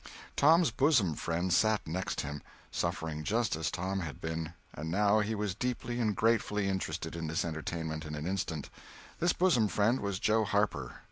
Tom's bosom friend sat next him, suffering just as Tom had been, and now he was deeply and gratefully interested in this entertainment in an instant. This bosom friend was Joe Harper.